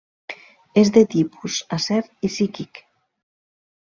És de tipus acer i psíquic.